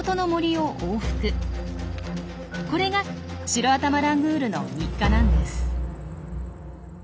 これがシロアタマラングールの日課なんです。